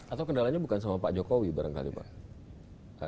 atau kendalanya bukan sama pak jokowi barangkali pak